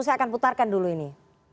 saya akan putarkan dulu ini